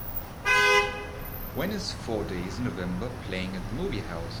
When is Four Days in November playing at the movie house?